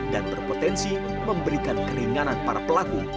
dan berpotensi memberikan keringanan para pelaku